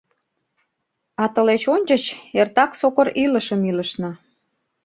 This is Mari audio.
А тылеч ончыч эртак сокыр илышым илышна...